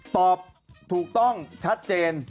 ตอบถูกต้องชัดเจน